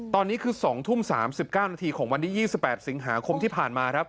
ตอนนี้คือ๒ทุ่ม๓๙นาทีของวันที่๒๘สิงหาคมที่ผ่านมาครับ